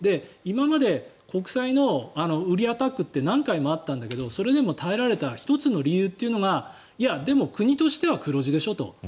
今まで国債の売りアタックって何回もあったんだけどそれでも耐えられた１つの理由というのが国としては黒字でしょと。